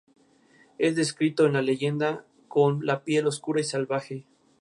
El mismo cuenta con solamente tres líneas.